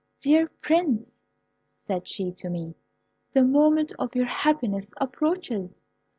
"Dear Prince," said she to me, "the moment of your happiness approaches!"